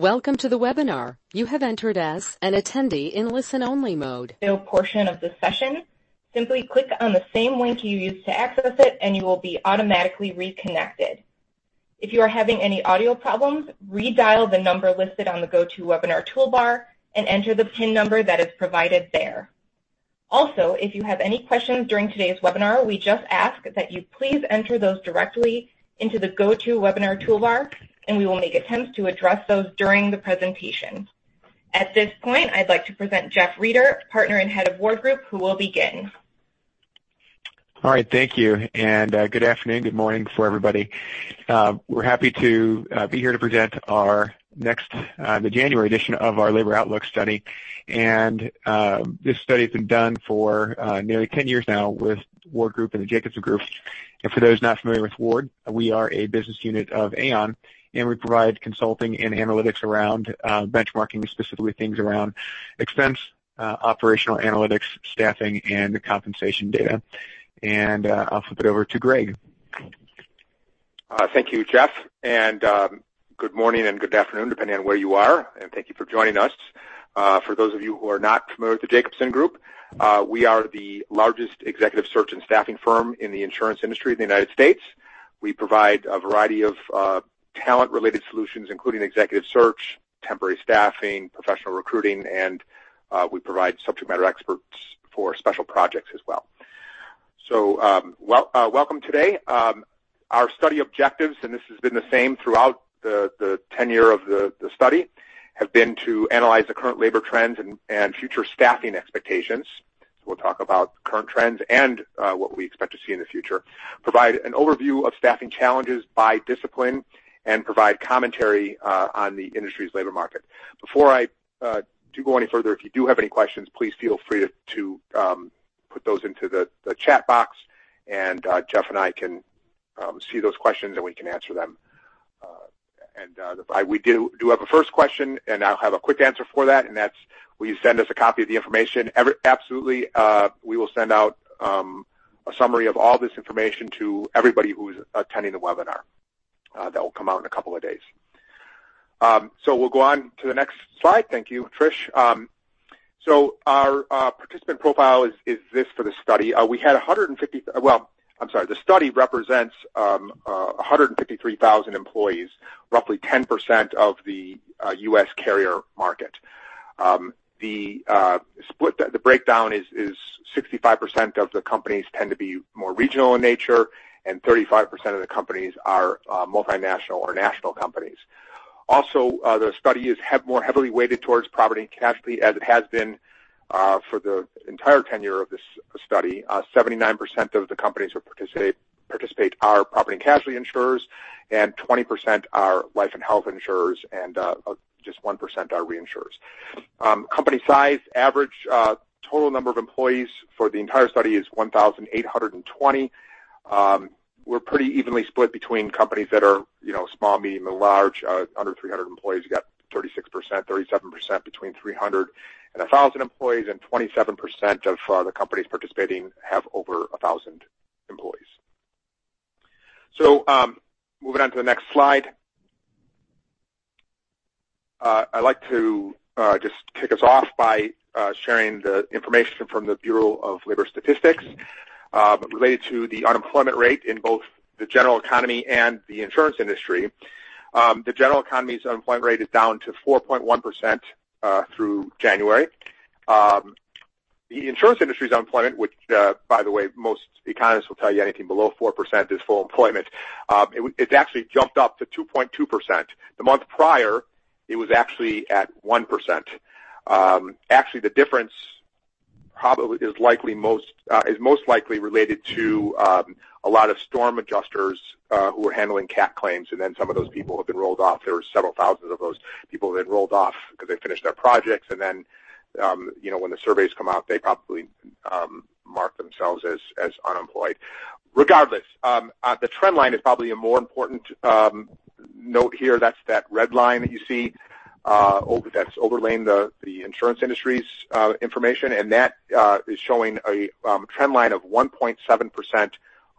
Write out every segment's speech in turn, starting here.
Welcome to the webinar. You have entered as an attendee in listen-only mode. Q&A portion of the session, simply click on the same link you used to access it, and you will be automatically reconnected. If you are having any audio problems, redial the number listed on the GoTo Webinar toolbar and enter the PIN number that is provided there. If you have any questions during today's webinar, we just ask that you please enter those directly into the GoTo Webinar toolbar, and we will make attempts to address those during the presentation. At this point, I'd like to present Jeff Rieder, Partner and Head of Ward Group, who will begin. All right. Thank you, good afternoon, good morning for everybody. We're happy to be here to present the January edition of our labor outlook study. This study has been done for nearly 10 years now with Ward Group and Jacobson Group. For those not familiar with Ward, we are a business unit of Aon, and we provide consulting and analytics around benchmarking, specifically things around expense, operational analytics, staffing, and compensation data. I'll flip it over to Greg. Thank you, Jeff, good morning and good afternoon, depending on where you are, thank you for joining us. For those of you who are not familiar with The Jacobson Group, we are the largest executive search and staffing firm in the insurance industry in the U.S. We provide a variety of talent-related solutions, including executive search, temporary staffing, professional recruiting, and we provide subject matter experts for special projects as well. Welcome today. Our study objectives, this has been the same throughout the tenure of the study, have been to analyze the current labor trends and future staffing expectations. We'll talk about current trends and what we expect to see in the future. Provide an overview of staffing challenges by discipline and provide commentary on the industry's labor market. Before I do go any further, if you do have any questions, please feel free to put those into the chat box and Jeff and I can see those questions, and we can answer them. We do have a first question, and I'll have a quick answer for that, and that's, "Will you send us a copy of the information?" Absolutely. We will send out a summary of all this information to everybody who is attending the webinar. That will come out in a couple of days. We'll go on to the next slide. Thank you, Trish. Our participant profile is this for the study. The study represents 153,000 employees, roughly 10% of the U.S. carrier market. The breakdown is 65% of the companies tend to be more regional in nature, and 35% of the companies are multinational or national companies. The study is more heavily weighted towards property and casualty, as it has been for the entire tenure of this study. 79% of the companies who participate are property and casualty insurers, and 20% are life and health insurers, and just 1% are reinsurers. Company size, average total number of employees for the entire study is 1,820. We're pretty evenly split between companies that are small, medium, or large. Under 300 employees, you got 36%. 37% between 300 and 1,000 employees, and 27% of the companies participating have over 1,000 employees. Moving on to the next slide. I'd like to just kick us off by sharing the information from the Bureau of Labor Statistics related to the unemployment rate in both the general economy and the insurance industry. The general economy's unemployment rate is down to 4.1% through January. The insurance industry's unemployment, which by the way, most economists will tell you anything below 4% is full employment, it's actually jumped up to 2.2%. The month prior, it was actually at 1%. The difference is most likely related to a lot of storm adjusters who were handling cat claims, and then some of those people have been rolled off. There were several thousand of those people that rolled off because they finished their projects, and then when the surveys come out, they probably mark themselves as unemployed. Regardless, the trend line is probably a more important note here. That's that red line that you see, that's overlaying the insurance industry's information, and that is showing a trend line of 1.7%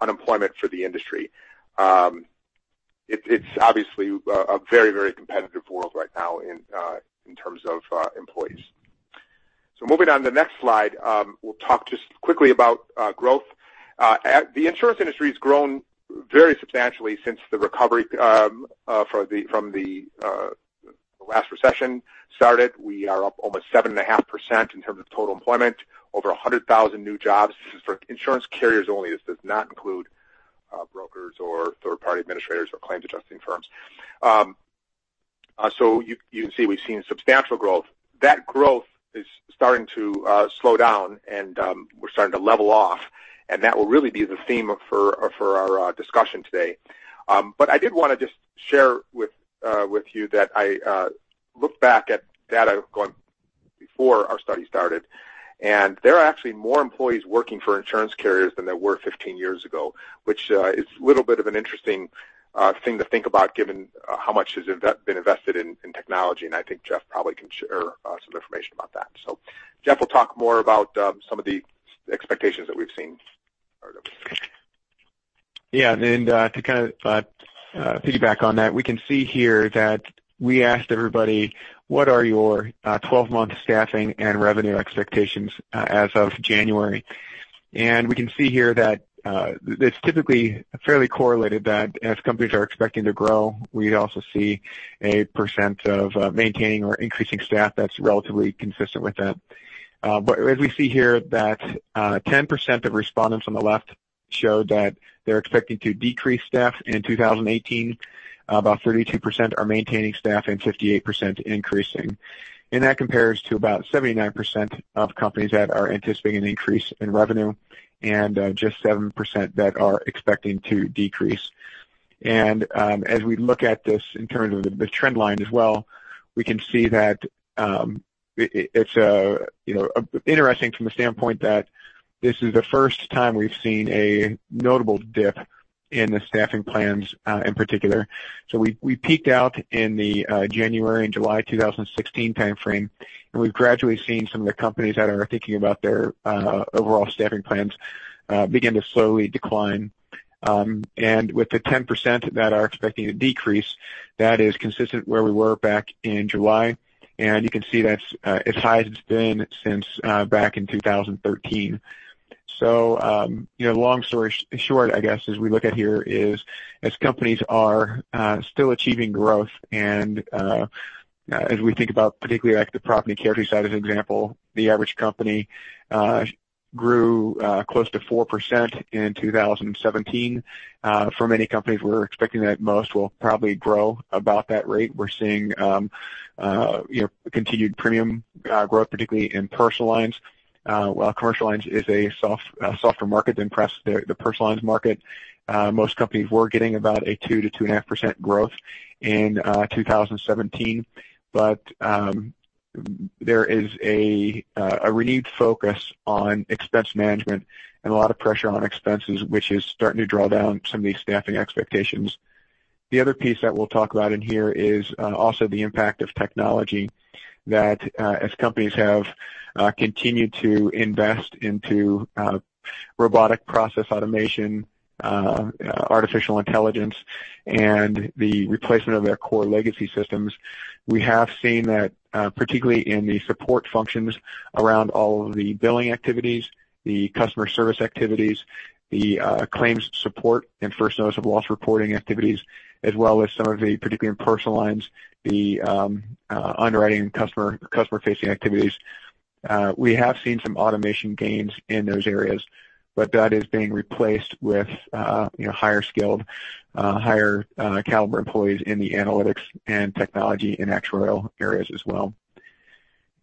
unemployment for the industry. It's obviously a very competitive world right now in terms of employees. Moving on to the next slide. We'll talk just quickly about growth. The insurance industry has grown very substantially since the recovery from the last recession started. We are up almost 7.5% in terms of total employment, over 100,000 new jobs. This is for insurance carriers only. This does not include brokers or third-party administrators or claims adjusting firms. You can see we've seen substantial growth. That growth is starting to slow down, and we're starting to level off, and that will really be the theme for our discussion today. I did want to just share with you that I looked back at data going before our study started, and there are actually more employees working for insurance carriers than there were 15 years ago, which is a little bit of an interesting thing to think about given how much has been invested in technology, and I think Jeff probably can share some information about that. Jeff will talk more about some of the expectations that we've seen. Yeah. To kind of piggyback on that, we can see here that we asked everybody, "What are your 12-month staffing and revenue expectations as of January?" We can see here that it's typically fairly correlated that as companies are expecting to grow, we also see a percent of maintaining or increasing staff that's relatively consistent with that. As we see here that 10% of respondents on the left show that they're expecting to decrease staff in 2018, about 32% are maintaining staff and 58% increasing. That compares to about 79% of companies that are anticipating an increase in revenue and just 7% that are expecting to decrease. As we look at this in terms of the trend line as well, we can see that it's interesting from the standpoint that this is the first time we've seen a notable dip in the staffing plans in particular. We peaked out in the January and July 2016 timeframe, and we've gradually seen some of the companies that are thinking about their overall staffing plans begin to slowly decline. With the 10% that are expecting a decrease, that is consistent where we were back in July, and you can see that's as high as it's been since back in 2013. Long story short, I guess, as we look at here is, as companies are still achieving growth and as we think about particularly like the property casualty side, as an example, the average company grew close to 4% in 2017. For many companies, we're expecting that most will probably grow about that rate. We're seeing continued premium growth, particularly in personal lines. While commercial lines is a softer market than perhaps the personal lines market. Most companies were getting about a 2%-2.5% growth in 2017. There is a renewed focus on expense management and a lot of pressure on expenses, which is starting to draw down some of these staffing expectations. The other piece that we'll talk about in here is also the impact of technology that as companies have continued to invest into robotic process automation, artificial intelligence, and the replacement of their core legacy systems, we have seen that particularly in the support functions around all of the billing activities, the customer service activities, the claims support and first notice of loss reporting activities, as well as some of the, particularly in personal lines, the underwriting customer-facing activities. We have seen some automation gains in those areas, but that is being replaced with higher skilled, higher caliber employees in the analytics and technology and actuarial areas as well.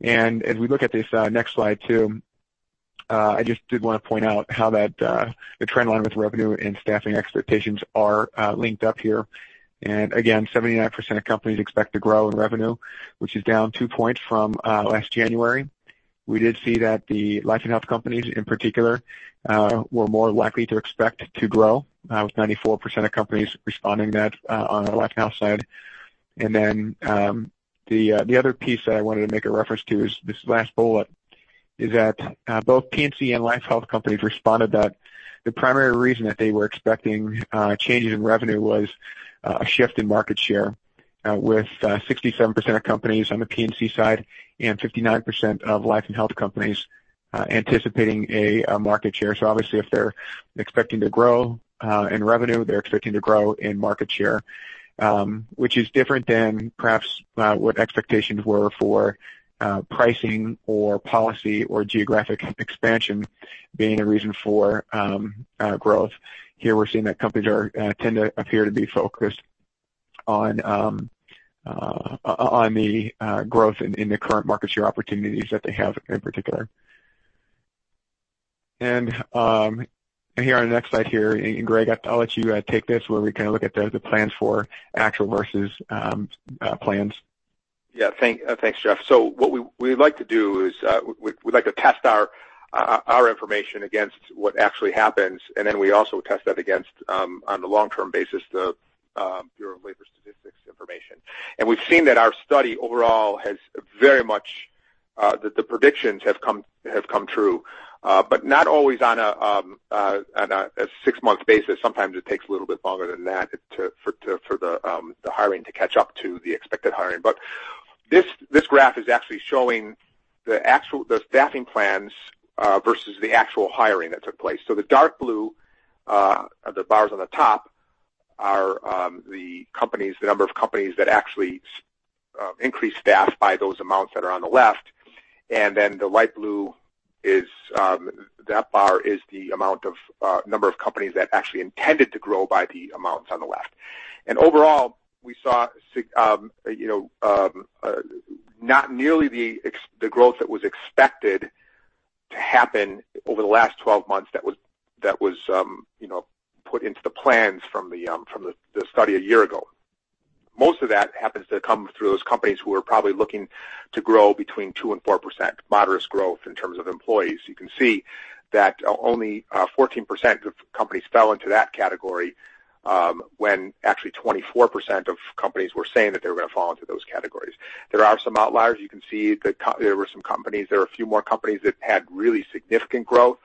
As we look at this next slide, too, I just did want to point out how that the trend line with revenue and staffing expectations are linked up here. Again, 79% of companies expect to grow in revenue, which is down two points from last January. We did see that the life and health companies, in particular, were more likely to expect to grow, with 94% of companies responding that on the life and health side. The other piece that I wanted to make a reference to is this last bullet, is that both P&C and life health companies responded that the primary reason that they were expecting changes in revenue was a shift in market share, with 67% of companies on the P&C side and 59% of life and health companies anticipating a market share. Obviously, if they're expecting to grow in revenue, they're expecting to grow in market share, which is different than perhaps what expectations were for pricing or policy or geographic expansion being a reason for growth. Here we're seeing that companies tend to appear to be focused on the growth in the current market share opportunities that they have in particular. Here on the next slide here, Greg, I'll let you take this where we kind of look at the plans for actual versus plans. Yeah. Thanks, Jeff. What we like to do is, we like to test our information against what actually happens, and then we also test that against, on the long-term basis, the Bureau of Labor Statistics information. We've seen that our study overall has very much The predictions have come true but not always on a six-month basis. Sometimes it takes a little bit longer than that for the hiring to catch up to the expected hiring. This graph is actually showing the staffing plans versus the actual hiring that took place. The dark blue, the bars on the top, are the number of companies that actually increased staff by those amounts that are on the left. The light blue, that bar is the number of companies that actually intended to grow by the amounts on the left. Overall, we saw not nearly the growth that was expected to happen over the last 12 months that was put into the plans from the study a year ago. Most of that happens to come through those companies who are probably looking to grow between 2% and 4%, modest growth in terms of employees. You can see that only 14% of companies fell into that category when actually 24% of companies were saying that they were going to fall into those categories. There are some outliers. You can see there were some companies, there are a few more companies that had really significant growth,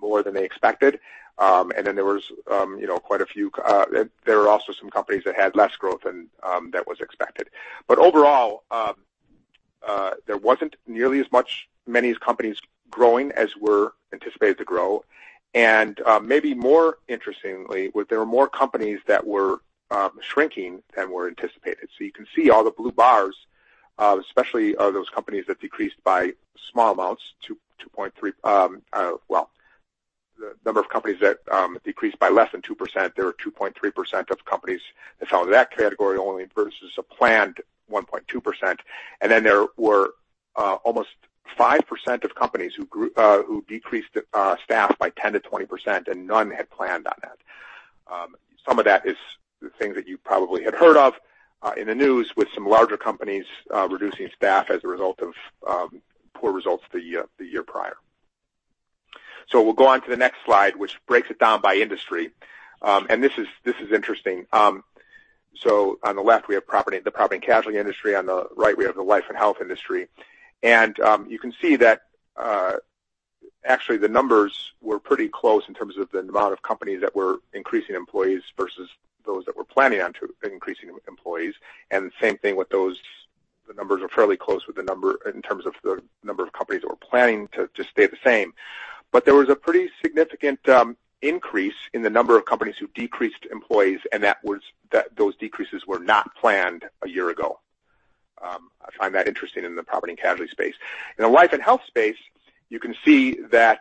more than they expected. There were also some companies that had less growth than that was expected. Overall, there wasn't nearly as many companies growing as were anticipated to grow. Maybe more interestingly, there were more companies that were shrinking than were anticipated. You can see all the blue bars, especially those companies that decreased by small amounts, the number of companies that decreased by less than 2%, there were 2.3% of companies that fell into that category only versus a planned 1.2%. Then there were almost 5% of companies who decreased staff by 10%-20%, and none had planned on that. Some of that is the things that you probably had heard of in the news, with some larger companies reducing staff as a result of poor results the year prior. We'll go on to the next slide, which breaks it down by industry. This is interesting. On the left, we have the property and casualty industry. On the right, we have the life and health industry. You can see that actually the numbers were pretty close in terms of the amount of companies that were increasing employees versus those that were planning on increasing employees. Same thing with those, the numbers are fairly close in terms of the number of companies that were planning to stay the same. There was a pretty significant increase in the number of companies who decreased employees, and those decreases were not planned a year ago. I find that interesting in the property and casualty space. In the life and health space, you can see that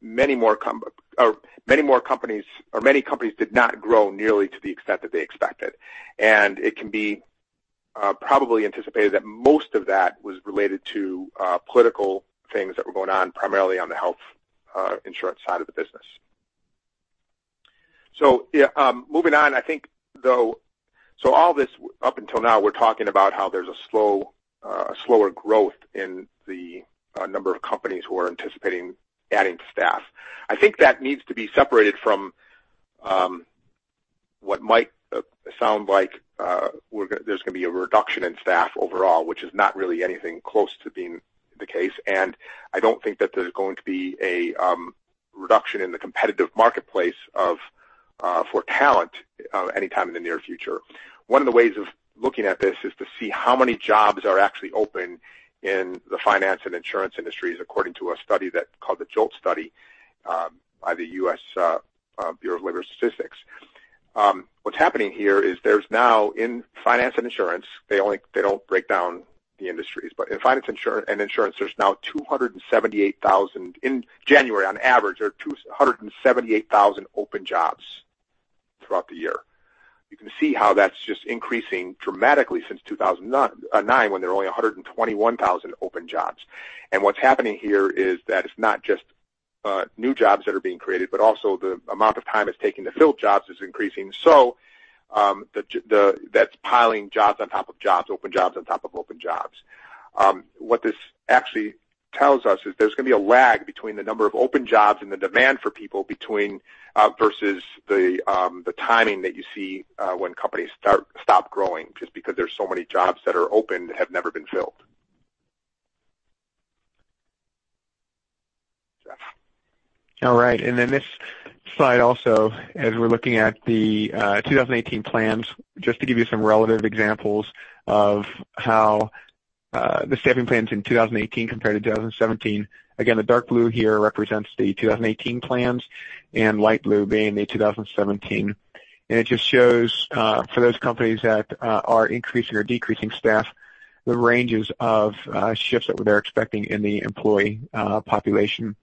many companies did not grow nearly to the extent that they expected. It can be probably anticipated that most of that was related to political things that were going on, primarily on the health insurance side of the business. Moving on, all this up until now, we're talking about how there's a slower growth in the number of companies who are anticipating adding staff. I think that needs to be separated from what might sound like there's going to be a reduction in staff overall, which is not really anything close to being the case. I don't think that there's going to be a reduction in the competitive marketplace for talent anytime in the near future. One of the ways of looking at this is to see how many jobs are actually open in the finance and insurance industries, according to a study called the JOLTS study by the U.S. Bureau of Labor Statistics. What's happening here is there's now in finance and insurance, they don't break down the industries, but in finance and insurance, in January, on average, there are 178,000 open jobs throughout the year. You can see how that's just increasing dramatically since 2009, when there were only 121,000 open jobs. What's happening here is that it's not just new jobs that are being created, but also the amount of time it's taking to fill jobs is increasing. That's piling jobs on top of jobs, open jobs on top of open jobs. What this actually tells us is there's going to be a lag between the number of open jobs and the demand for people versus the timing that you see when companies stop growing, just because there's so many jobs that are open that have never been filled. Jeff. All right, this slide also, as we're looking at the 2018 plans, just to give you some relative examples of how the staffing plans in 2018 compared to 2017. Again, the dark blue here represents the 2018 plans and light blue being the 2017. It just shows for those companies that are increasing or decreasing staff, the ranges of shifts that they're expecting in the employee population.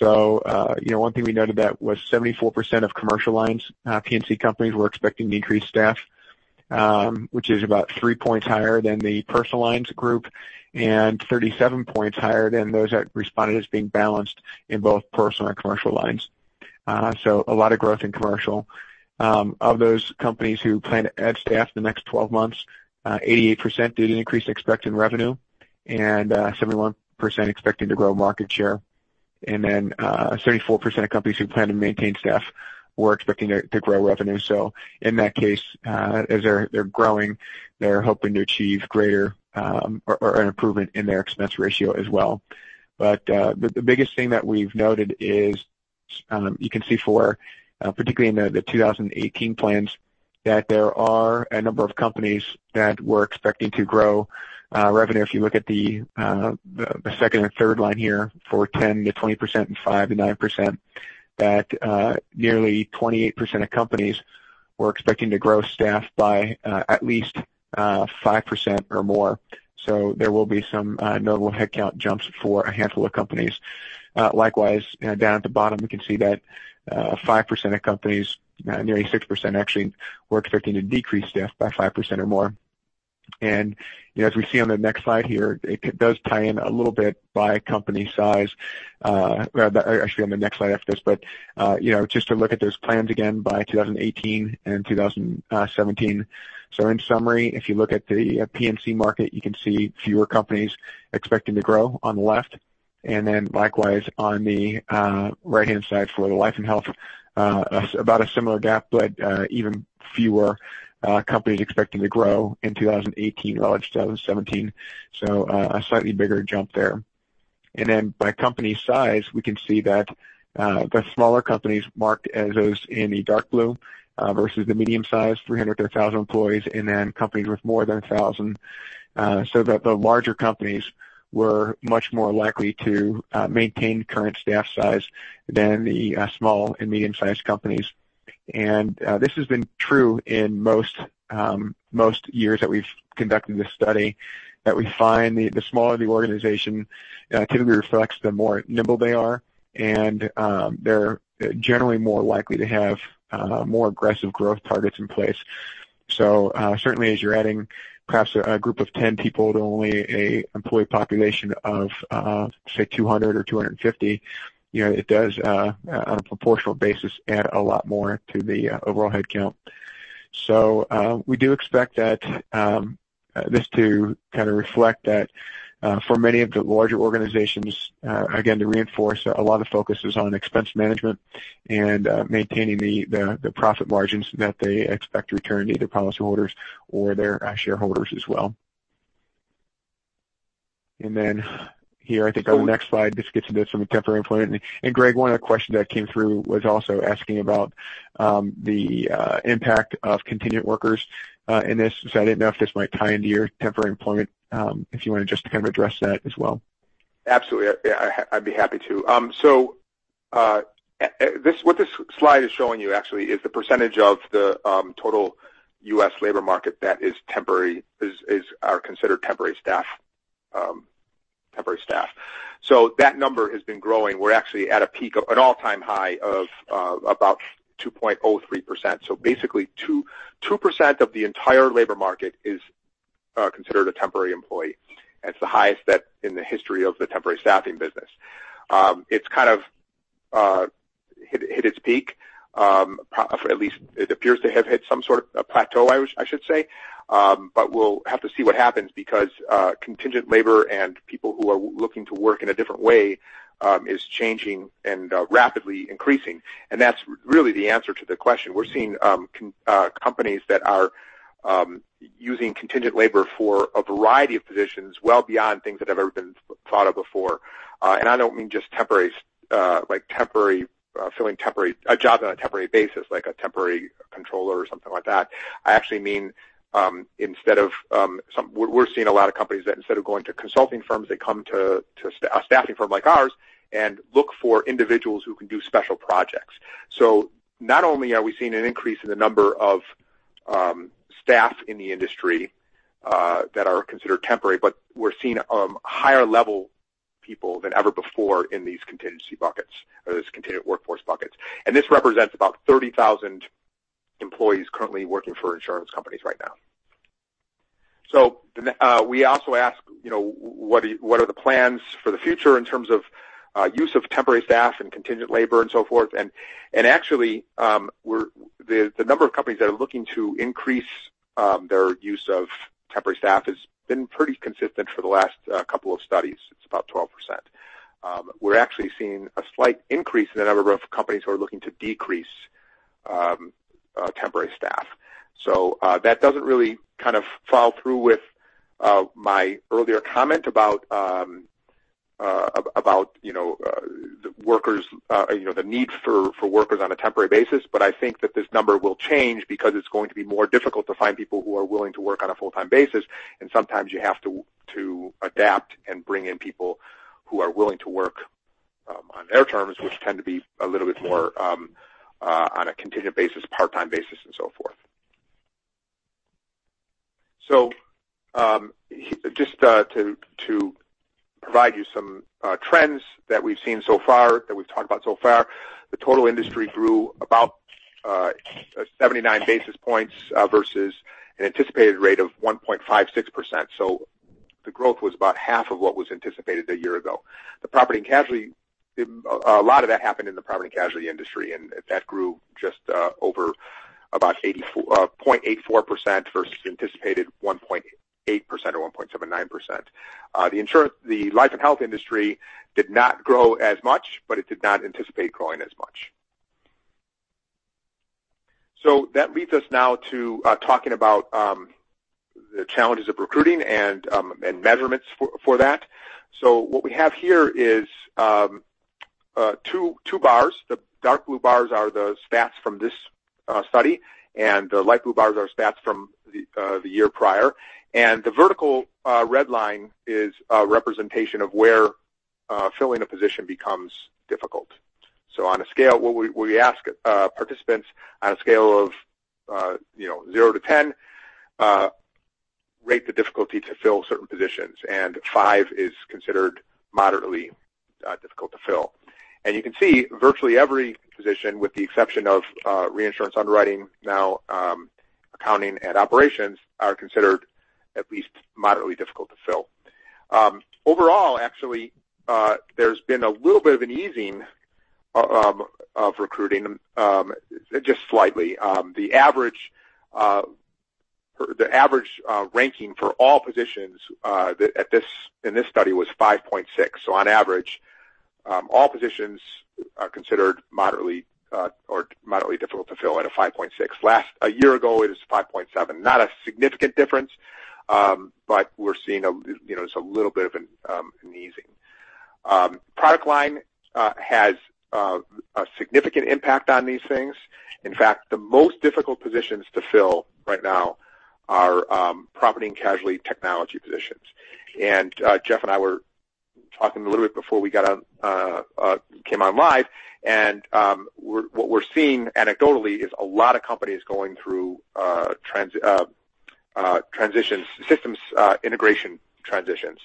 One thing we noted that was 74% of commercial lines, P&C companies were expecting to increase staff, which is about three points higher than the personal lines group, and 37 points higher than those that responded as being balanced in both personal and commercial lines. A lot of growth in commercial. Of those companies who plan to add staff in the next 12 months, 88% did increase expected revenue, and 71% expecting to grow market share. 34% of companies who plan to maintain staff were expecting to grow revenue. In that case, as they're growing, they're hoping to achieve an improvement in their expense ratio as well. The biggest thing that we've noted is you can see for, particularly in the 2018 plans, that there are a number of companies that were expecting to grow revenue. If you look at the second and third line here for 10%-20% and 5%-9%, that nearly 28% of companies were expecting to grow staff by at least 5% or more. There will be some notable headcount jumps for a handful of companies. Likewise, down at the bottom, we can see that 5% of companies, nearly 6% actually, were expecting to decrease staff by 5% or more. As we see on the next slide here, it does tie in a little bit by company size. Actually, on the next slide after this, just to look at those plans again by 2018 and 2017. In summary, if you look at the P&C market, you can see fewer companies expecting to grow on the left, likewise on the right-hand side for the life and health, about a similar gap, even fewer companies expecting to grow in 2018 relative to 2017. A slightly bigger jump there. By company size, we can see that the smaller companies marked as those in the dark blue versus the medium-sized, 300 to 1,000 employees, companies with more than 1,000, the larger companies were much more likely to maintain current staff size than the small and medium-sized companies. This has been true in most years that we've conducted this study, that we find the smaller the organization typically reflects the more nimble they are, and they're generally more likely to have more aggressive growth targets in place. Certainly as you're adding perhaps a group of 10 people to only an employee population of, say, 200 or 250, it does, on a proportional basis, add a lot more to the overall headcount. We do expect this to kind of reflect that for many of the larger organizations, again, to reinforce, a lot of focus is on expense management and maintaining the profit margins that they expect to return to their policyholders or their shareholders as well. Here, I think on the next slide, this gets a bit from a temporary employment. Greg, one of the questions that came through was also asking about the impact of contingent workers in this, because I didn't know if this might tie into your temporary employment, if you want to just to kind of address that as well. Absolutely. I'd be happy to. What this slide is showing you actually is the percentage of the total U.S. labor market that are considered temporary staff. That number has been growing. We're actually at a peak, an all-time high of about 2.03%. Basically, 2% of the entire labor market is considered a temporary employee. It's the highest in the history of the temporary staffing business. It's kind of hit its peak, at least it appears to have hit some sort of a plateau, I should say. We'll have to see what happens because contingent labor and people who are looking to work in a different way is changing and rapidly increasing. That's really the answer to the question. We're seeing companies that are using contingent labor for a variety of positions, well beyond things that have ever been thought of before. I don't mean just filling a job on a temporary basis, like a temporary controller or something like that. I actually mean we're seeing a lot of companies that instead of going to consulting firms, they come to a staffing firm like ours and look for individuals who can do special projects. Not only are we seeing an increase in the number of staff in the industry that are considered temporary, but we're seeing higher-level people than ever before in these contingency buckets, or those contingent workforce buckets. This represents about 30,000 employees currently working for insurance companies right now. We also ask, what are the plans for the future in terms of use of temporary staff and contingent labor and so forth. Actually, the number of companies that are looking to increase their use of temporary staff has been pretty consistent for the last couple of studies. It's about 12%. We're actually seeing a slight increase in the number of companies who are looking to decrease temporary staff. That doesn't really kind of follow through with my earlier comment about the need for workers on a temporary basis, I think that this number will change because it's going to be more difficult to find people who are willing to work on a full-time basis, and sometimes you have to adapt and bring in people who are willing to work on their terms, which tend to be a little bit more on a contingent basis, part-time basis, and so forth. Just to provide you some trends that we've seen so far, that we've talked about so far, the total industry grew about 79 basis points versus an anticipated rate of 1.56%. The growth was about half of what was anticipated a year ago. A lot of that happened in the property and casualty industry, and that grew just over about 0.84% versus anticipated 1.8% or 1.79%. The life and health industry did not grow as much, but it did not anticipate growing as much. That leads us now to talking about the challenges of recruiting and measurements for that. What we have here is two bars. The dark blue bars are the stats from this study, and the light blue bars are stats from the year prior. The vertical red line is a representation of where filling a position becomes difficult. We ask participants on a scale of zero to 10, rate the difficulty to fill certain positions, and five is considered moderately difficult to fill. You can see virtually every position, with the exception of reinsurance underwriting now, accounting and operations are considered at least moderately difficult to fill. Overall, actually, there's been a little bit of an easing of recruiting, just slightly. The average ranking for all positions in this study was five point six. On average, all positions are considered moderately difficult to fill at a five point six. A year ago, it was five point seven. Not a significant difference, but we're seeing just a little bit of an easing. Product line has a significant impact on these things. In fact, the most difficult positions to fill right now are property and casualty technology positions. Jeff and I were talking a little bit before we came on live, and what we're seeing anecdotally is a lot of companies going through systems integration transitions.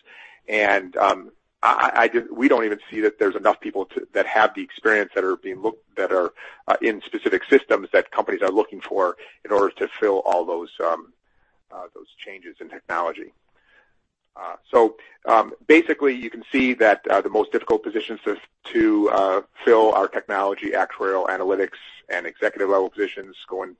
We don't even see that there's enough people that have the experience that are in specific systems that companies are looking for in order to fill all those changes in technology. Basically, you can see that the most difficult positions to fill are technology, actuarial, analytics, and executive-level positions going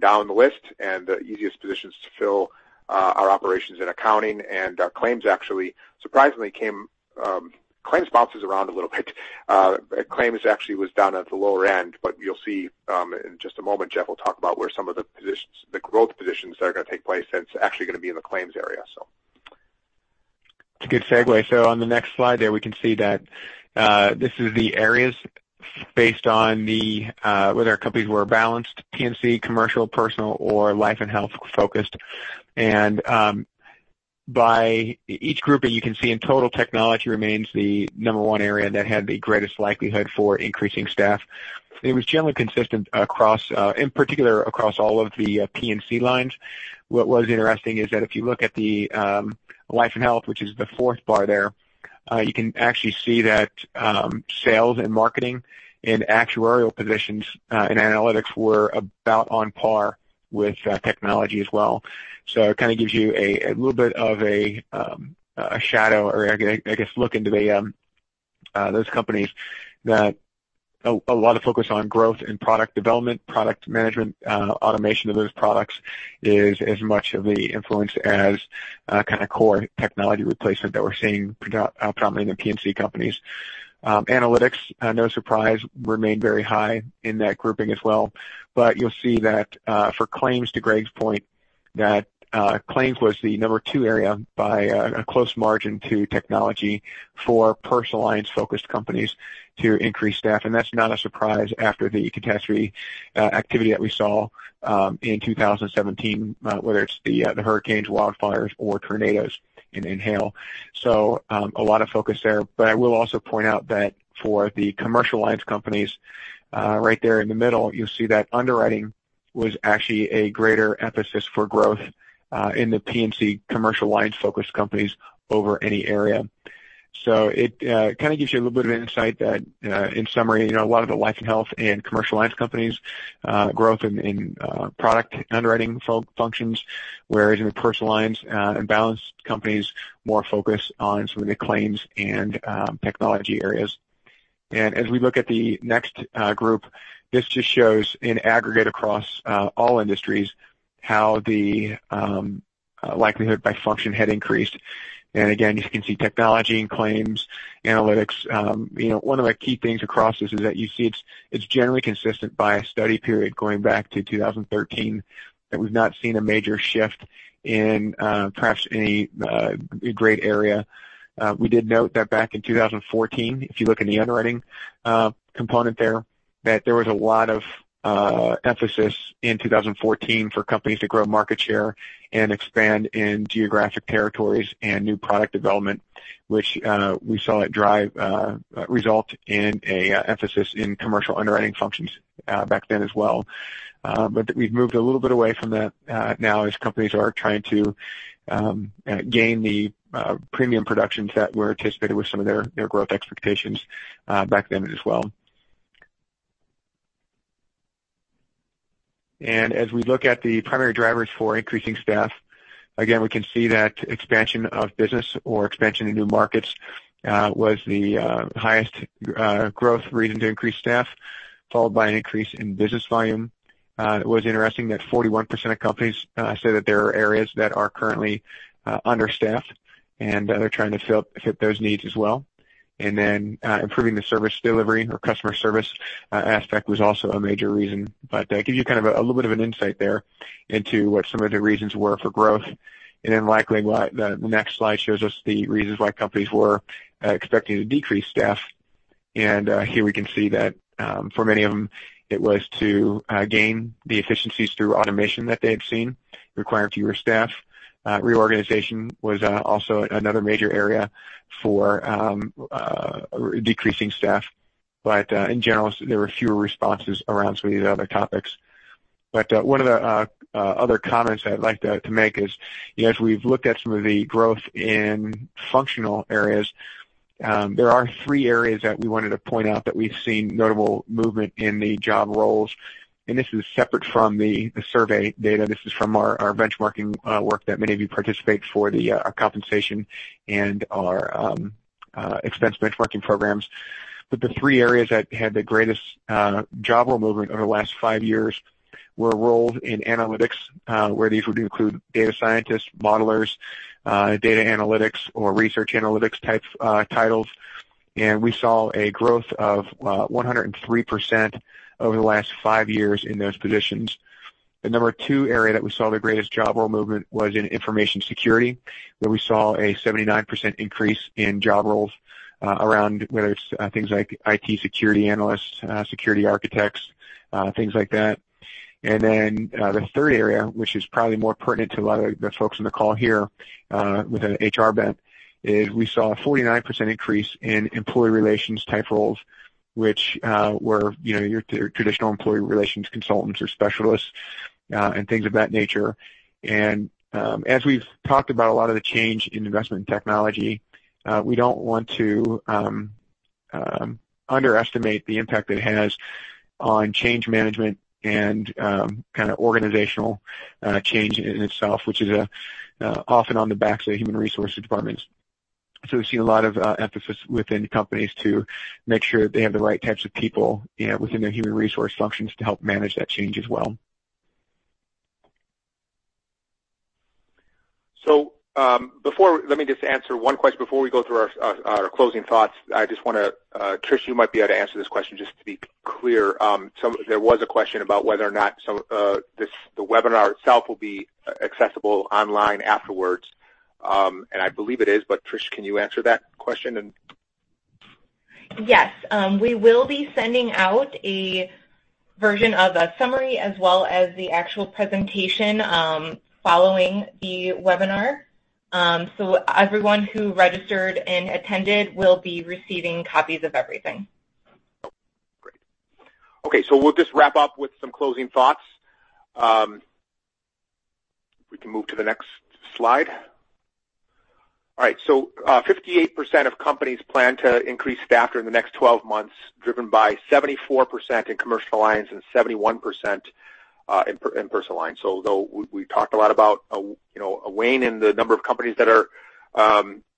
down the list. The easiest positions to fill are operations and accounting, and claims actually surprisingly came. Claims bounces around a little bit. Claims actually was down at the lower end, but you'll see in just a moment, Jeff will talk about where some of the growth positions that are going to take place, and it's actually going to be in the claims area. It's a good segue. On the next slide there, we can see that this is the areas based on whether our companies were balanced, P&C, commercial, personal, or life and health focused. By each grouping, you can see in total, technology remains the number 1 area that had the greatest likelihood for increasing staff. It was generally consistent, in particular, across all of the P&C lines. What was interesting is that if you look at the life and health, which is the fourth bar there, you can actually see that sales and marketing and actuarial positions and analytics were about on par with technology as well. It kind of gives you a little bit of a shadow or I guess a look into those companies that a lot of focus on growth and product development, product management, automation of those products is as much of the influence as a kind of core technology replacement that we're seeing predominantly in P&C companies. Analytics, no surprise, remained very high in that grouping as well. You'll see that for claims, to Greg's point, that claims was the number 2 area by a close margin to technology for personal lines-focused companies to increase staff. That's not a surprise after the catastrophe activity that we saw in 2017, whether it's the hurricanes, wildfires, or tornadoes in hail. A lot of focus there. I will also point out that for the commercial lines companies right there in the middle, you'll see that underwriting was actually a greater emphasis for growth in the P&C commercial lines-focused companies over any area. It kind of gives you a little bit of insight that in summary, a lot of the life and health and commercial lines companies growth in product underwriting functions, whereas in the personal lines and balanced companies, more focus on some of the claims and technology areas. As we look at the next group, this just shows in aggregate across all industries how the likelihood by function had increased. Again, you can see technology and claims, analytics. One of the key things across this is that you see it's generally consistent by a study period going back to 2013, that we've not seen a major shift in perhaps any great area. We did note that back in 2014, if you look in the underwriting component there, that there was a lot of emphasis in 2014 for companies to grow market share and expand in geographic territories and new product development, which we saw result in an emphasis in commercial underwriting functions back then as well. We've moved a little bit away from that now as companies are trying to gain the premium productions that were anticipated with some of their growth expectations back then as well. As we look at the primary drivers for increasing staff, again, we can see that expansion of business or expansion into new markets was the highest growth reason to increase staff, followed by an increase in business volume. It was interesting that 41% of companies say that there are areas that are currently understaffed, and they're trying to fit those needs as well. Improving the service delivery or customer service aspect was also a major reason. That gives you kind of a little bit of an insight there into what some of the reasons were for growth. Then likely, the next slide shows us the reasons why companies were expecting to decrease staff. Here we can see that for many of them, it was to gain the efficiencies through automation that they had seen, requiring fewer staff. Reorganization was also another major area for decreasing staff. In general, there were fewer responses around some of these other topics. One of the other comments I'd like to make is, as we've looked at some of the growth in functional areas, there are three areas that we wanted to point out that we've seen notable movement in the job roles, and this is separate from the survey data. This is from our benchmarking work that many of you participate for our compensation and our expense benchmarking programs. The three areas that had the greatest job role movement over the last 5 years were roles in analytics, where these would include data scientists, modelers, data analytics, or research analytics type titles. We saw a growth of 103% over the last 5 years in those positions. The number 2 area that we saw the greatest job role movement was in information security, where we saw a 79% increase in job roles around whether it's things like IT security analysts, security architects, things like that. Then the third area, which is probably more pertinent to a lot of the folks on the call here with an HR bent, is we saw a 49% increase in employee relations type roles, which were your traditional employee relations consultants or specialists and things of that nature. As we've talked about a lot of the change in investment technology, we don't want to underestimate the impact it has on change management and kind of organizational change in itself, which is often on the backs of human resources departments. We've seen a lot of emphasis within companies to make sure they have the right types of people within their human resource functions to help manage that change as well. Let me just answer one question before we go through our closing thoughts. I just want to Trish, you might be able to answer this question just to be clear. There was a question about whether or not the webinar itself will be accessible online afterwards, and I believe it is, Trish, can you answer that question and Yes. We will be sending out a version of a summary as well as the actual presentation following the webinar. Everyone who registered and attended will be receiving copies of everything. Great. Okay, we'll just wrap up with some closing thoughts. We can move to the next slide. All right, 58% of companies plan to increase staff during the next 12 months, driven by 74% in commercial lines and 71% in personal lines. Though we talked a lot about a wane in the number of companies that are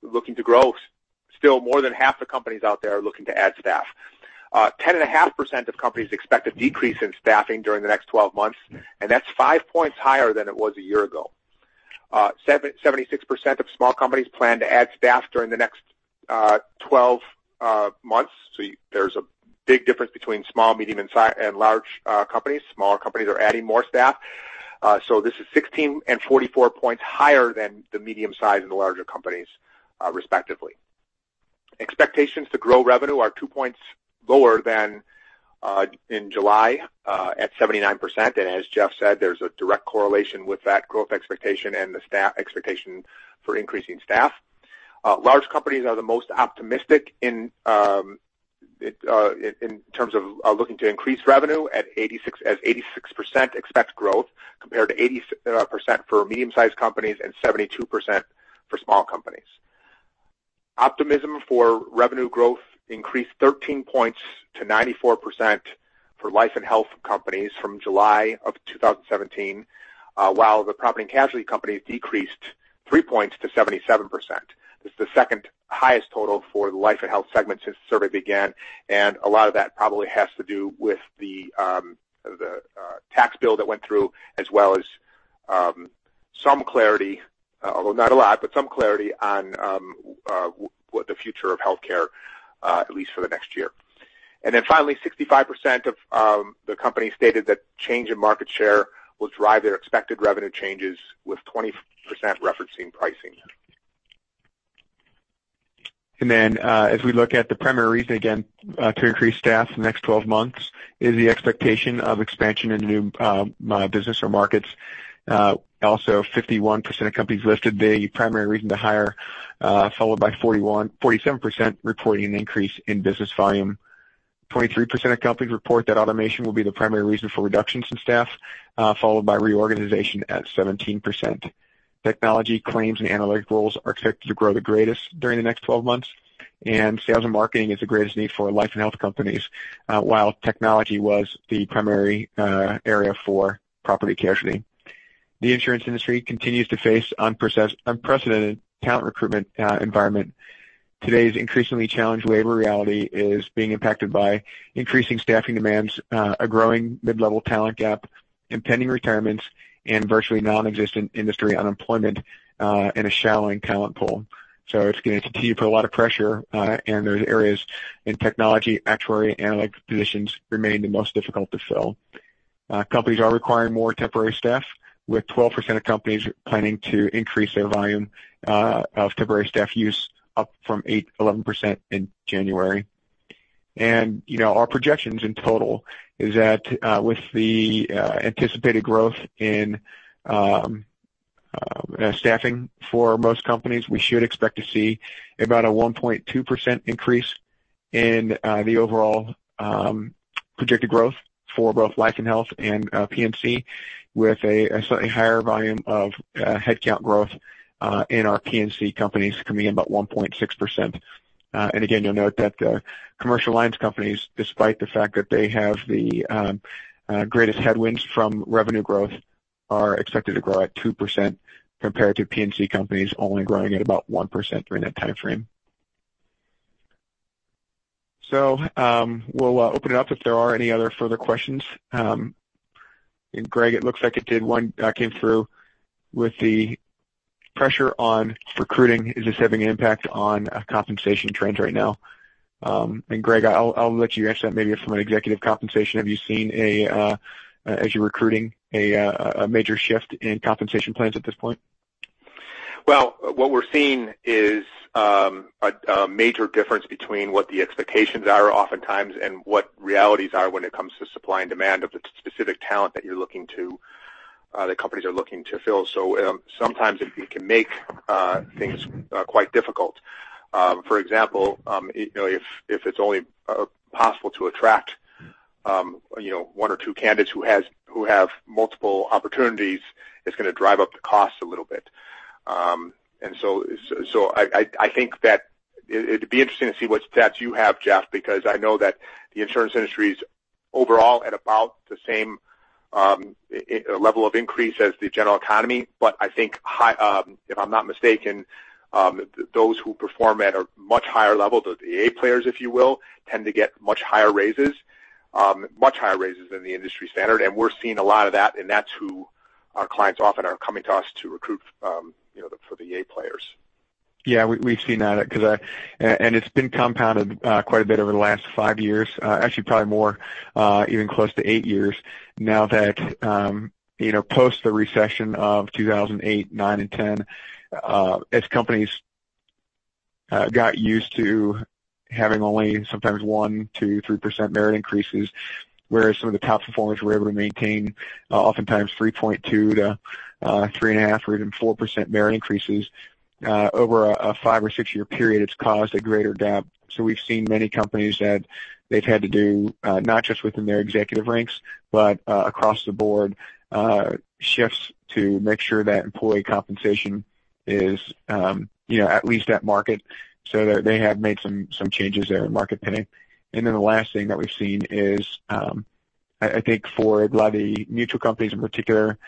looking to grow, still more than half the companies out there are looking to add staff. 10.5% of companies expect a decrease in staffing during the next 12 months, and that's five points higher than it was a year ago. 76% of small companies plan to add staff during the next 12 months. There's a big difference between small, medium, and large companies. Smaller companies are adding more staff. This is 16 and 44 points higher than the medium size and the larger companies, respectively. Expectations to grow revenue are two points lower than in July at 79%. As Jeff said, there's a direct correlation with that growth expectation and the expectation for increasing staff. Large companies are the most optimistic in terms of looking to increase revenue as 86% expect growth compared to 80% for medium-sized companies and 72% for small companies. Optimism for revenue growth increased 13 points to 94% for life and health companies from July of 2017, while the property and casualty companies decreased three points to 77%. This is the second highest total for the life and health segment since the survey began, a lot of that probably has to do with the tax bill that went through, as well as some clarity, although not a lot, but some clarity on what the future of healthcare, at least for the next year. Finally, 65% of the companies stated that change in market share will drive their expected revenue changes, with 20% referencing pricing. As we look at the primary reason, again, to increase staff in the next 12 months is the expectation of expansion into new business or markets. Also, 51% of companies listed the primary reason to hire, followed by 47% reporting an increase in business volume. 23% of companies report that automation will be the primary reason for reductions in staff, followed by reorganization at 17%. Technology claims and analytic roles are expected to grow the greatest during the next 12 months, and sales and marketing is the greatest need for life and health companies, while technology was the primary area for Property Casualty. The insurance industry continues to face unprecedented talent recruitment environment. Today's increasingly challenged labor reality is being impacted by increasing staffing demands, a growing mid-level talent gap, impending retirements, and virtually non-existent industry unemployment, and a shallowing talent pool. It's going to continue to put a lot of pressure, and those areas in technology, actuary, analytic positions remain the most difficult to fill. Companies are requiring more temporary staff, with 12% of companies planning to increase their volume of temporary staff use up from 11% in January. Our projections in total is that with the anticipated growth in Staffing for most companies, we should expect to see about a 1.2% increase in the overall projected growth for both life and health and P&C, with a slightly higher volume of headcount growth in our P&C companies coming in about 1.6%. Again, you'll note that the commercial lines companies, despite the fact that they have the greatest headwinds from revenue growth, are expected to grow at 2% compared to P&C companies only growing at about 1% during that timeframe. We'll open it up if there are any other further questions. Greg, it looks like it did one came through with the pressure on recruiting. Is this having an impact on compensation trends right now? Greg, I'll let you answer that maybe from an executive compensation. Have you seen, as you're recruiting, a major shift in compensation plans at this point? Well, what we're seeing is a major difference between what the expectations are oftentimes and what realities are when it comes to supply and demand of the specific talent that companies are looking to fill. Sometimes it can make things quite difficult. For example, if it's only possible to attract one or two candidates who have multiple opportunities, it's going to drive up the cost a little bit. I think that it'd be interesting to see what stats you have, Jeff, because I know that the insurance industry's overall at about the same level of increase as the general economy. I think, if I'm not mistaken, those who perform at a much higher level, the A players, if you will, tend to get much higher raises than the industry standard. We're seeing a lot of that, and that's who our clients often are coming to us to recruit, for the A players. We've seen that, and it's been compounded quite a bit over the last five years. Actually, probably more, even close to eight years now that post the recession of 2008, 2009, and 2010, as companies got used to having only sometimes 1%-3% merit increases, whereas some of the top performers were able to maintain, oftentimes 3.2% to 3.5% or even 4% merit increases over a five or six-year period, it's caused a greater gap. We've seen many companies that they've had to do, not just within their executive ranks, but across the board shifts to make sure that employee compensation is at least at market. They have made some changes there in market pinning. The last thing that we've seen is, I think for a lot of the mutual companies in particular,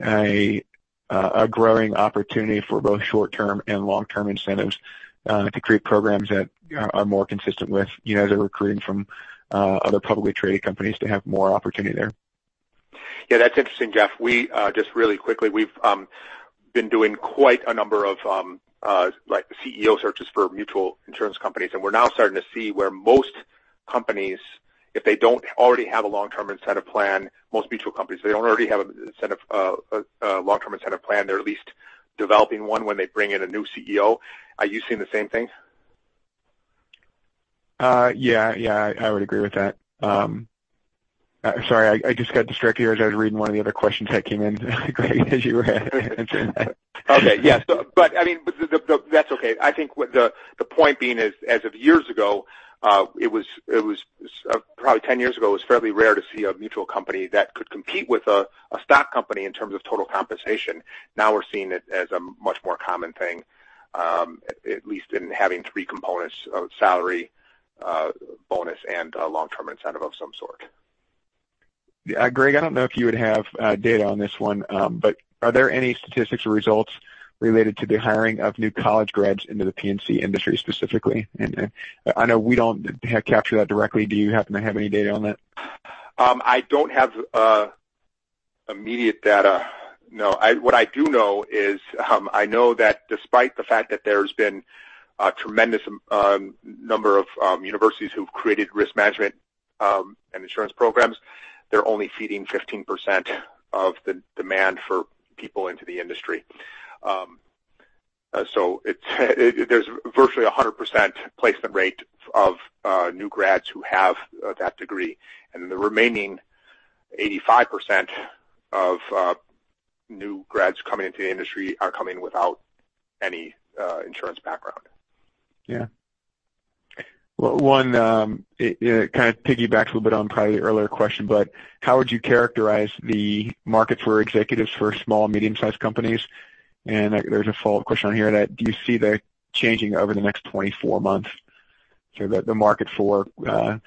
a growing opportunity for both short-term and long-term incentives to create programs that are more consistent with as they're recruiting from other publicly traded companies to have more opportunity there. That's interesting, Jeff. Just really quickly, we've been doing quite a number of CEO searches for mutual insurance companies, and we're now starting to see where most companies, if they don't already have a long-term incentive plan, most mutual companies, if they don't already have a long-term incentive plan, they're at least developing one when they bring in a new CEO. Are you seeing the same thing? I would agree with that. Sorry, I just got distracted here as I was reading one of the other questions that came in, Greg, as you were answering. That's okay. I think what the point being is, as of years ago, probably 10 years ago, it was fairly rare to see a mutual company that could compete with a stock company in terms of total compensation. Now we're seeing it as a much more common thing, at least in having three components of salary, bonus, and a long-term incentive of some sort. Greg, I don't know if you would have data on this one, but are there any statistics or results related to the hiring of new college grads into the P&C industry specifically? I know we don't capture that directly. Do you happen to have any data on that? I don't have immediate data, no. What I do know is, I know that despite the fact that there's been a tremendous number of universities who've created risk management and insurance programs, they're only feeding 15% of the demand for people into the industry. There's virtually 100% placement rate of new grads who have that degree, and the remaining 85% of new grads coming into the industry are coming without any insurance background. One, it kind of piggybacks a little bit on probably the earlier question, but how would you characterize the markets for executives for small and medium-sized companies? There's a follow-up question on here that do you see that changing over the next 24 months? The market for, and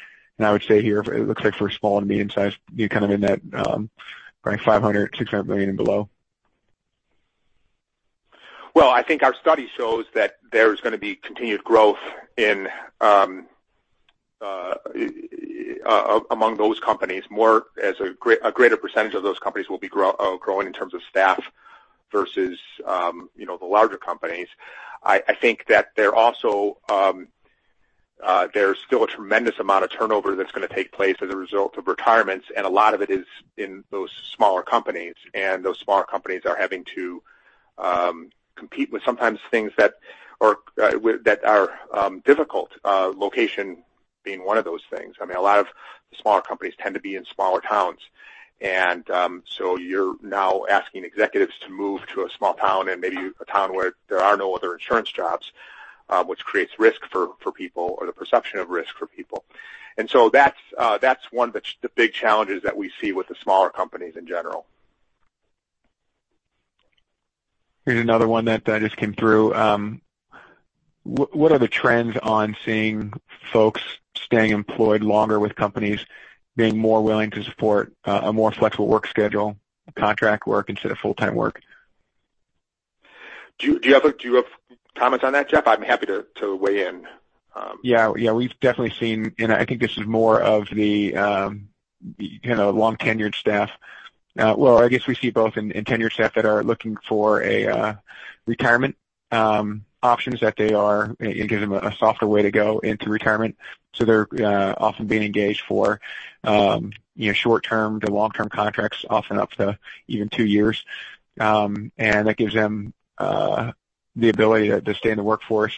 I would say here, it looks like for small and medium size, kind of in that ranking 500, 600 million and below. Well, I think our study shows that there's going to be continued growth among those companies. A greater percentage of those companies will be growing in terms of staff versus the larger companies. I think that there's still a tremendous amount of turnover that's going to take place as a result of retirements, and a lot of it is in those smaller companies. Those smaller companies are having to compete with sometimes things that are difficult, location being one of those things. I mean, a lot of the smaller companies tend to be in smaller towns. You're now asking executives to move to a small town and maybe a town where there are no other insurance jobs, which creates risk for people or the perception of risk for people. That's one of the big challenges that we see with the smaller companies in general. Here's another one that just came through. What are the trends on seeing folks staying employed longer with companies being more willing to support a more flexible work schedule, contract work instead of full-time work? Do you have comments on that, Jeff? I'm happy to weigh in. Yeah. We've definitely seen, I think this is more of the long-tenured staff. Well, I guess we see both in tenured staff that are looking for retirement options that it gives them a softer way to go into retirement. They're often being engaged for short-term to long-term contracts, often up to even two years. That gives them the ability to stay in the workforce.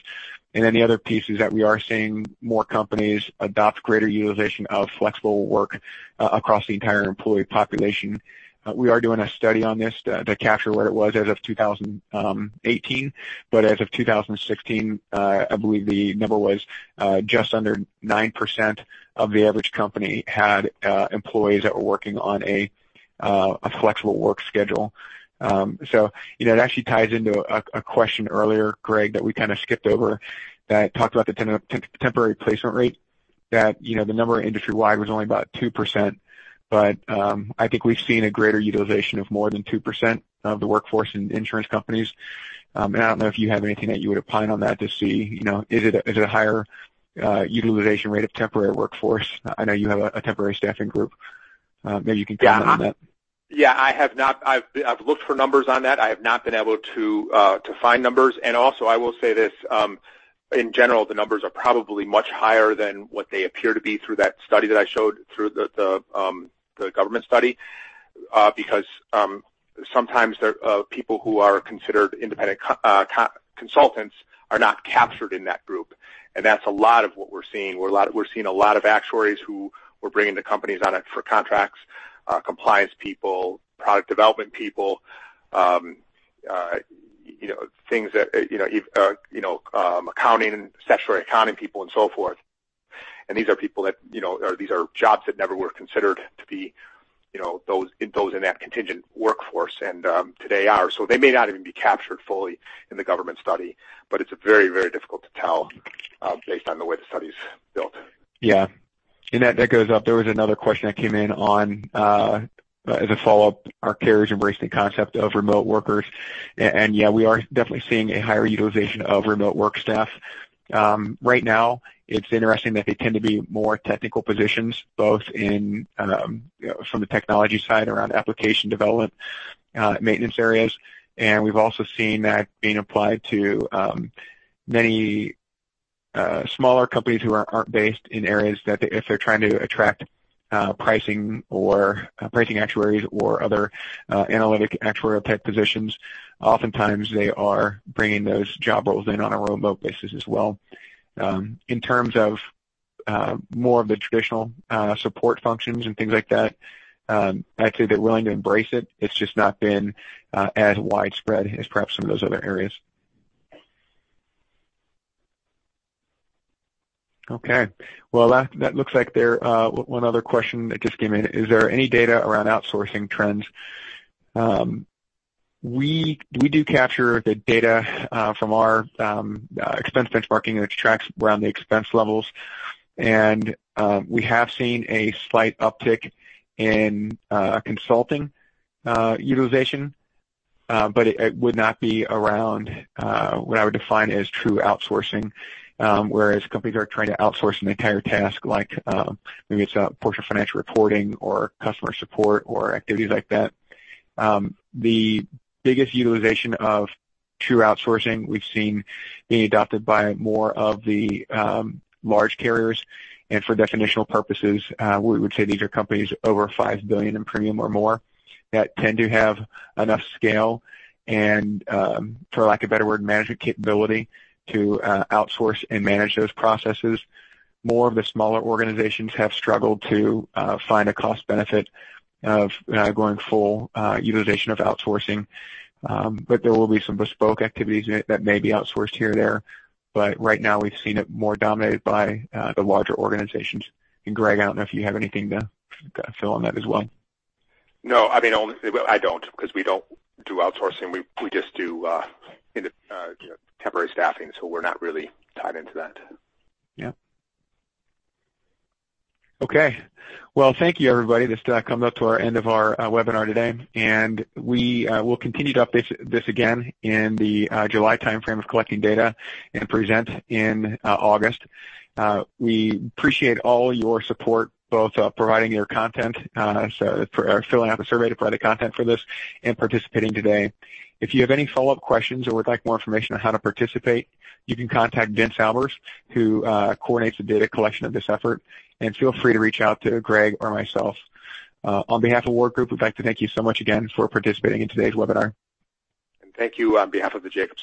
The other piece is that we are seeing more companies adopt greater utilization of flexible work across the entire employee population. We are doing a study on this to capture where it was as of 2018. As of 2016, I believe the number was just under 9% of the average company had employees that were working on a flexible work schedule. It actually ties into a question earlier, Greg, that we kind of skipped over that talked about the temporary placement rate, that the number industry-wide was only about 2%, I think we've seen a greater utilization of more than 2% of the workforce in insurance companies. I don't know if you have anything that you would opine on that to see, is it a higher utilization rate of temporary workforce? I know you have a temporary staffing group. Maybe you can comment on that. Yeah, I've looked for numbers on that. I have not been able to find numbers. Also, I will say this, in general, the numbers are probably much higher than what they appear to be through that study that I showed through the government study, because sometimes people who are considered independent consultants are not captured in that group, that's a lot of what we're seeing, we're seeing a lot of actuaries who we're bringing to companies on for contracts, compliance people, product development people, accounting, statutory accounting people, and so forth. These are jobs that never were considered to be those in that contingent workforce, and today are. They may not even be captured fully in the government study, but it's very difficult to tell based on the way the study's built. Yeah. That goes up. There was another question that came in as a follow-up. Are carriers embracing the concept of remote workers? Yeah, we are definitely seeing a higher utilization of remote work staff. Right now, it's interesting that they tend to be more technical positions, both from the technology side around application development maintenance areas, we've also seen that being applied to many smaller companies who aren't based in areas that if they're trying to attract pricing actuaries or other analytic actuarial-type positions, oftentimes they are bringing those job roles in on a remote basis as well. In terms of more of the traditional support functions and things like that, I'd say they're willing to embrace it. It's just not been as widespread as perhaps some of those other areas. Okay, well, that looks like there one other question that just came in. Is there any data around outsourcing trends? We do capture the data from our expense benchmarking, and it tracks around the expense levels. We have seen a slight uptick in consulting utilization, but it would not be around what I would define as true outsourcing, whereas companies are trying to outsource an entire task, like maybe it's a portion of financial reporting or customer support or activities like that. The biggest utilization of true outsourcing we've seen being adopted by more of the large carriers. For definitional purposes, we would say these are companies over $5 billion in premium or more that tend to have enough scale and, for lack of better word, management capability to outsource and manage those processes. More of the smaller organizations have struggled to find a cost benefit of going full utilization of outsourcing. There will be some bespoke activities that may be outsourced here or there. Right now, we've seen it more dominated by the larger organizations. Greg, I don't know if you have anything to fill in on that as well. No, I don't because we don't do outsourcing. We just do temporary staffing. We're not really tied into that. Okay. Thank you everybody. This comes up to our end of our webinar today, and we will continue to update this again in the July timeframe of collecting data and present in August. We appreciate all your support, both providing your content, filling out the survey to provide the content for this, and participating today. If you have any follow-up questions or would like more information on how to participate, you can contact Edwin Albers, who coordinates the data collection of this effort, and feel free to reach out to Greg or myself. On behalf of Ward Group, we'd like to thank you so much again for participating in today's webinar. Thank you on behalf of the Jacobs-